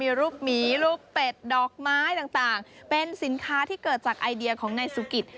มีรูปหมีรูปเป็ดดอกไม้ต่างเป็นสินค้าที่เกิดจากไอเดียของนายสุกิต